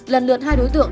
lần lượt hai đối tượng